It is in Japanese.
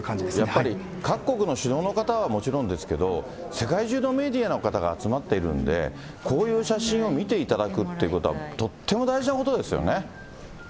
やっぱり各国の首脳の方はもちろんですけど、世界中のメディアの方が集まっているので、こういう写真を見ていただくということは、とっても大事なことですよね。